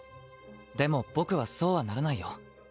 でも僕はそうはならないよ。